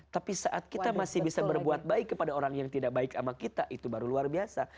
tapi saat kita masih bisa berbuat baik kepada orang yang tidak baik sama kita itu baru luar biasa